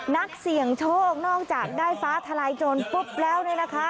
นักเสี่ยงโชคนอกจากได้ฟ้าทลายโจรปุ๊บแล้วเนี่ยนะคะ